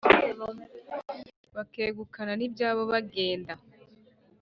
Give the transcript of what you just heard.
bakegukana n’ibyabo bagenda